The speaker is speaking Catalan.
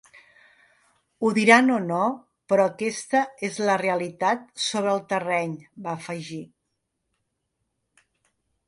Ho diran o no però aquesta és la realitat sobre el terreny va afegir.